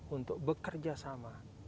untuk bekerja sama